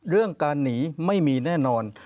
เรื่องการหนีไม่มีแน่นอน